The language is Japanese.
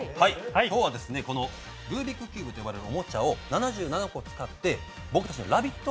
今日はこのルービックキューブと呼ばれるおもちゃを７７個使って僕たちの「ラヴィット！」